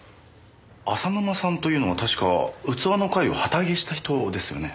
浅沼さんというのは確か器の会を旗揚げした人ですよね。